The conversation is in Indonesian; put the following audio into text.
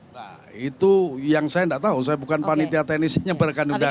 nah itu yang saya enggak tahu saya bukan panitia teknisnya berakan undangan